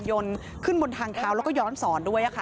ยนต์ขึ้นบนทางเท้าแล้วก็ย้อนสอนด้วยค่ะ